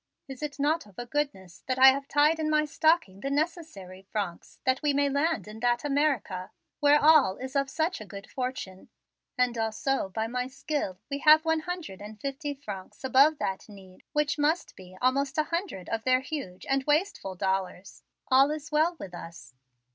"Is it not of a goodness that I have tied in my stocking the necessary francs that we may land in that America, where all is of such a good fortune? And also by my skill we have one hundred and fifty francs above that need which must be almost an hundred of their huge and wasteful dollars. All is well with us."